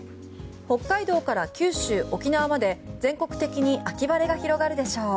北海道から九州・沖縄まで全国的に秋晴れが広がるでしょう。